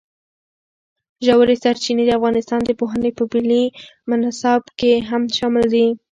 ژورې سرچینې د افغانستان د پوهنې په ملي نصاب کې هم شامل دي.